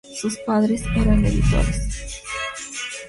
Sus padres eran editores.